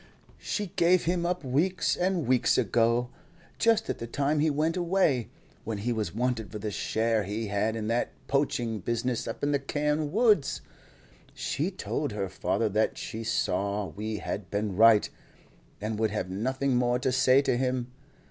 "She gave him up weeks and weeks ago, just at the time he went away, when he was wanted for the share he had in that poaching business up in the Carne Woods. She told her father that she saw we had been right, and would have nothing more to say to him.